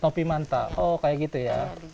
topi manta oh kayak gitu ya